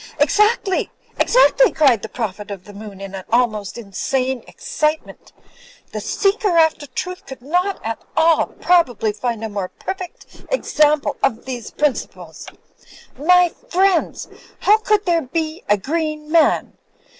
'^Exactly! exactly!" cried the Prophet of the Moon, in almost insane excitement "The seeker after truth could not at all probably find a more perfect example of these principles. My f riendss, how could there be a green man?